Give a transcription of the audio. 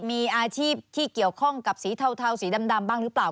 มีอาชีพที่เกี่ยวข้องกับสีเทาสีดำบ้างหรือเปล่า